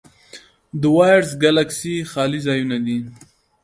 د وایډز ګلکسي خالي ځایونه دي.